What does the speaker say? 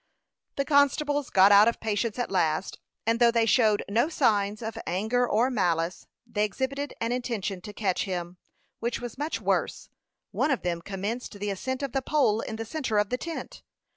The constables got out of patience at last; and though they showed no signs of anger or malice, they exhibited an intention to catch him, which was much worse. One of them commenced the ascent of the pole in the centre of the tent.